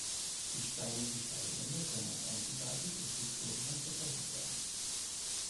Die steinigen Steilwände können als einzigartig im Südburgenland bezeichnet werden.